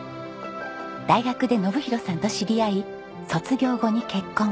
大学で信博さんと知り合い卒業後に結婚。